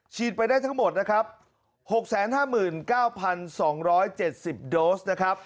ไปได้ทั้งหมดนะครับ๖๕๙๒๗๐โดสนะครับ